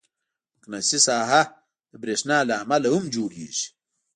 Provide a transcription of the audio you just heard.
مقناطیسي ساحه د برېښنا له امله هم جوړېږي.